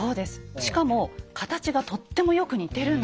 しかも形がとってもよく似てるんですよ。